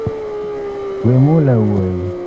Wemula wuoyi